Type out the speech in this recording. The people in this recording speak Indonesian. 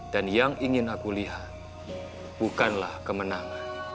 yang ingin aku lihat bukanlah kemenangan